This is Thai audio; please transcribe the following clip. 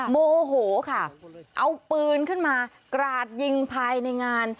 โมโหค่ะเอาปืนขึ้นมากราดยิงภายในงาน